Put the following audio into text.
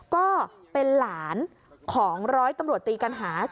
ก็เป็นหลานของร้อยตำรวจตีกัณหา